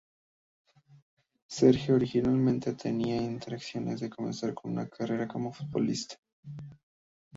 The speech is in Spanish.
Serge originalmente tenía intenciones de comenzar una carrera como futbolista.